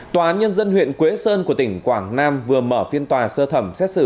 tòa án nhân dân huyện quế sơn của tỉnh quảng nam vừa mở phiên tòa sơ thẩm xét xử